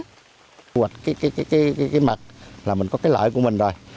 thu hoạch cái mật là mình có cái lợi của mình rồi